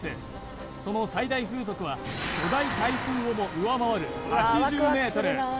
その最大風速は巨大台風をも上回る８０メートル